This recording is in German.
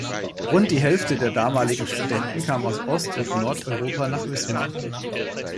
Rund die Hälfte der damaligen Studenten kam aus Ost- und Nordeuropa nach Wismar.